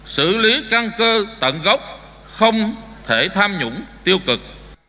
xử lý căng cơ tận gốc không thể tham nhũng tiêu cực